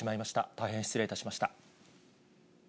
大変失礼いたしました。